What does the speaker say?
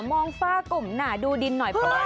มองฝ้ากลุ่มหนาดูดินหน่อยเพราะว่า